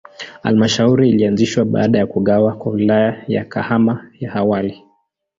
Halmashauri ilianzishwa baada ya kugawa kwa Wilaya ya Kahama ya awali.